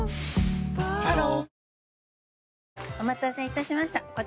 ハロー